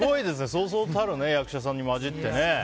そうそうたる役者さんに交じって。